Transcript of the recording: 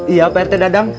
iya pt dadahnya